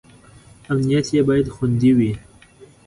امنیت یې باید خوندي وي.